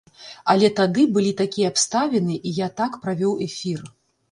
Але тады былі такія абставіны, і я так правёў эфір.